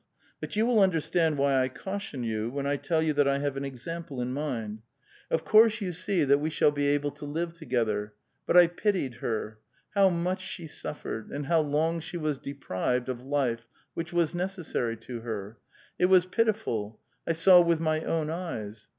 But you will understand why I caution 3^ou when I tell you that I have an example in mind. Of course you see that wo A VITAL QUESTION. 443 shall be able to live together ; but I pitied her. How much she suffered, and how long she was deprived of life which was necessary to her! It was pitiful; I saw with my own eyes.